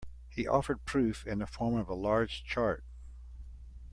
He offered proof in the form of a large chart.